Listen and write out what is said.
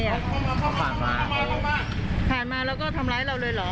เขาผ่านมาเขาผ่านมาเขาผ่านมาผ่านมาแล้วก็ทำล้ายเราเลยเหรอ